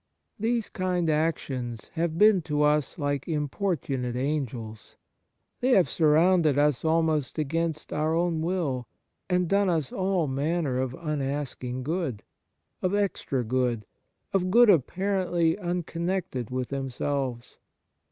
These kind actions have been to us like impor tunate x\ngels. They have surrounded us almost against our own will, and done us all manner of unasked good, of extra good, of good apparently unconnected with them selves.